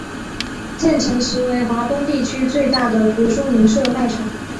建成时为华东地区最大的图书零售卖场。